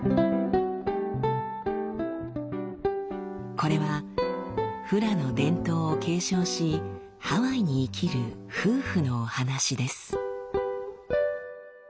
これはフラの伝統を継承しハワイに生きる夫婦のお話です。